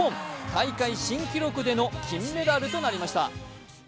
大会新記録での金メダルとなりました。